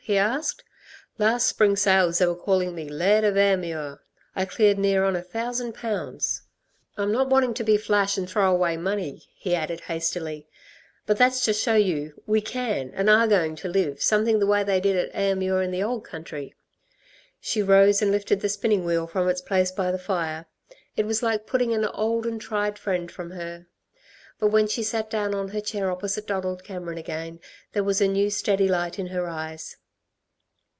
he asked. "Last spring sales they were calling me 'Laird of Ayrmuir.' I cleared near on a thousand pounds. "I'm not wanting to be flash and throw away money," he added hastily. "But that's to show you, we can, and are going to live, something the way they did at Ayrmuir in the old country." She rose and lifted the spinning wheel from its place by the fire. It was like putting an old and tried friend from her. But when she sat down on her chair opposite Donald Cameron again there was a new steady light in her eyes.